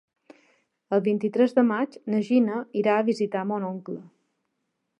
El vint-i-tres de maig na Gina irà a visitar mon oncle.